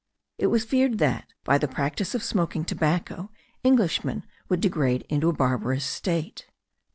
It was feared that, by the practice of smoking tobacco, Englishmen would degenerate into a barbarous state.